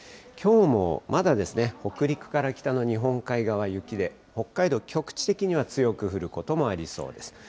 きょうもまだ、北陸から北の日本海側、雪で、北海道、局地的には強く降ることもありそうです。